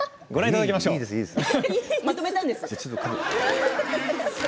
いいです、いいです。